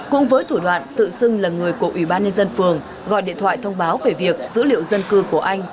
cũng với thủ đoạn tự xưng là người của ủy ban nhân dân phường gọi điện thoại thông báo về việc dữ liệu dân cư của anh